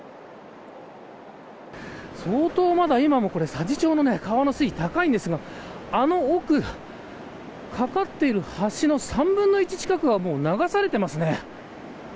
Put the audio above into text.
相当まだ、佐治町の川の水位高いんですがあの奥、かかっている橋の３分の１近くは流されていますね。